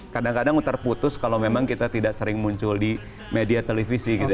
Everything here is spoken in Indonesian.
kadang kadang terputus kalau memang kita tidak sering muncul di media televisi gitu ya